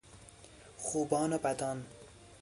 خوبان و بدان